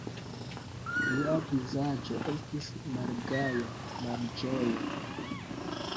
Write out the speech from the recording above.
Lia vizaĝo estis malgaja, malĝoja.